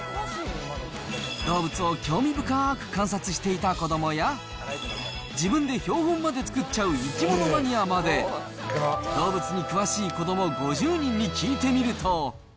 動物を興味深ーく観察していた子どもや、自分で標本まで作っちゃう生き物マニアまで、動物に詳しい子ども５０人に聞いてみると。